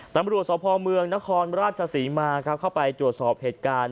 ตำรวจสพมนรศมาการเข้าไปตรวจสอบเหตุการณ์